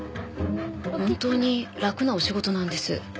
本当に楽なお仕事なんです。